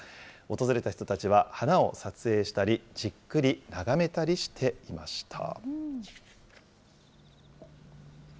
訪れた人たちは、花を撮影したり、じっくり眺めたりしていました。